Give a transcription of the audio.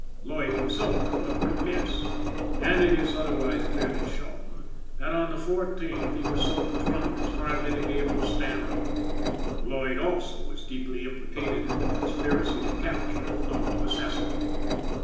Lloyd, himself, however, admits, and it is otherwise clearly shown, that on the 14th he was so drunk as hardly to be able to stand up. Lloyd, also, was deeply implicated in the conspiracy to capture if not to assassinate.